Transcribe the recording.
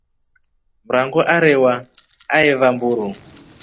Mrango arewa aeva mburu.